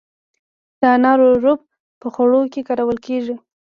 د انارو رب په خوړو کې کارول کیږي.